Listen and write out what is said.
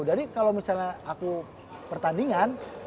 jadi kalau misalnya aku pertandingan